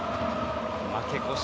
負け越し